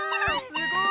すごい！